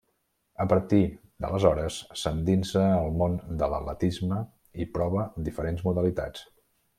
A partir d’aleshores, s’endinsa al món de l’atletisme i prova diferents modalitats.